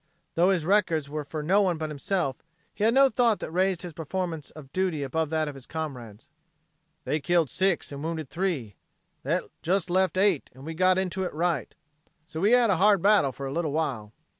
Tho his records were for no one but himself, he had no thought that raised his performance of duty above that of his comrades: "They killed 6 and wounded 3. That just left 8 and we got into it right. So we had a hard battle for a little while."